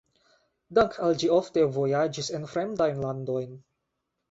Dank`al ĝi ofte vojaĝis en fremdajn landojn.